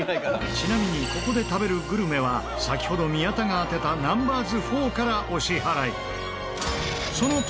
ちなみにここで食べるグルメは先ほど宮田が当てたナンバーズ４からお支払い。